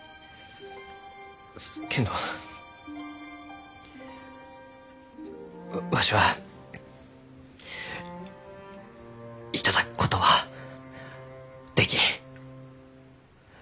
けんどわしは頂くことはできん。